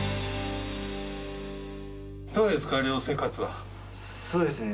どうですか？